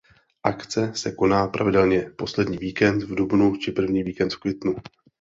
Akce se koná pravidelně poslední víkend v dubnu či první víkend v květnu.